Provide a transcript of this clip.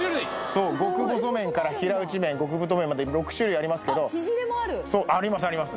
そう極細麺から平打麺極太麺まで６種類ありますけどあっちぢれもあるそうありますあります